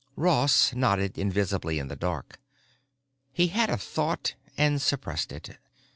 Ross nodded invisibly in the dark. He had a thought, and suppressed it.